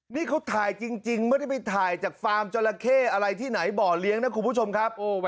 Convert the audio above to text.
นี่เขาถ่ายจริงไม่ได้ไปถ่ายจากฟาร์มจราเข้อะไรที่ไหนบ่อเลี้ยงนะคุณผู้ชมครับ